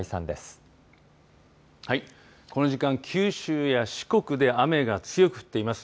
この時間、九州や四国で雨が強く降っています。